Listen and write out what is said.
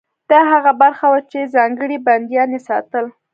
دا هغه برخه وه چې ځانګړي بندیان یې ساتل.